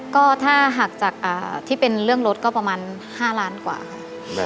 ก็ถ้าหักจากที่เป็นเรื่องรถก็ประมาณ๕ล้านกว่าค่ะ